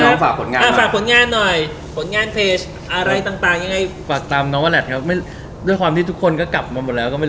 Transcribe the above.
ตอนอารมณ์เนี้ยมันก็ไม่เท่าไหร่